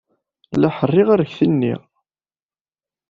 La ḥerriɣ arekti-nni.